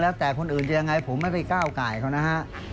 แล้วแต่คนอื่นจะยังไงผมไม่ไปก้าวไก่เขานะฮะ